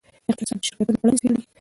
اقتصاد د شرکتونو کړنې څیړي.